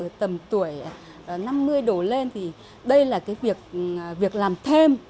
ở tầm tuổi năm mươi đổ lên thì đây là cái việc làm thêm